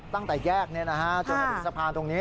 ตั้งแต่แยกจนมาถึงสะพานตรงนี้